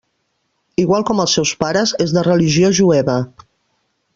Igual com els seus pares, és de religió jueva.